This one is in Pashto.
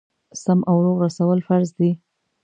سم او روغ رسول فرض دي.